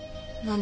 何？